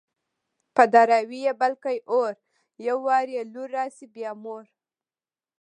په دراوۍ يې بل کي اور _ يو وار يې لور راسي بيا مور